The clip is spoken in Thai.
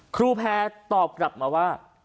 แพร่ตอบกลับมาว่า